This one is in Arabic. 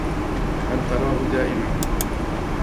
هل تراه دائمًا؟